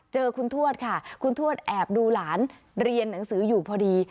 เจอคุณทวดค่ะคุณทวดแอบดูหลานเรียนหนังสืออยู่พอดี